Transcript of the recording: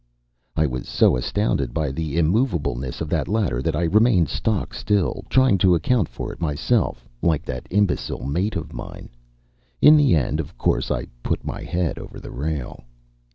I was so astounded by the immovableness of that ladder that I remained stock still, trying to account for it to myself like that imbecile mate of mine. In the end, of course, I put my head over the rail.